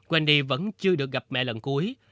wendy vẫn chưa được gặp mẹ lần cuối